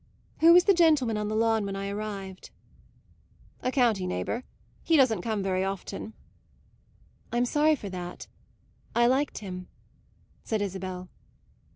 "Who was the gentleman on the lawn when I arrived?" "A county neighbour; he doesn't come very often." "I'm sorry for that; I liked him," said Isabel.